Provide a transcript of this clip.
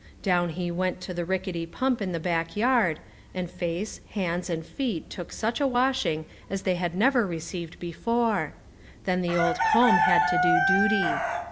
Down he went to the rickety pump in the back yard, and face, hands, and feet took such a washing as they had never received before; then the old comb had to do duty.